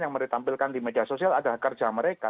yang mereka tampilkan di media sosial ada kerja mereka